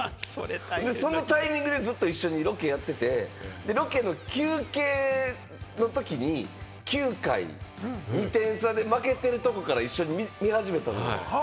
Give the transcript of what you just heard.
そのタイミングでずっと一緒にロケやってて、ロケの休憩のときに９回、２点差で負けてるところから一緒に見始めたんですよ。